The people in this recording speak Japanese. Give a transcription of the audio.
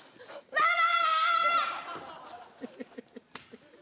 ママ！